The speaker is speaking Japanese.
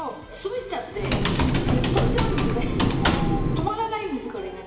止まらないんですこれがね。